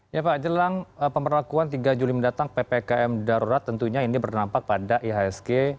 ya pak jelang pemerlakuan tiga juli mendatang ppkm darurat tentunya ini berdampak pada ihsg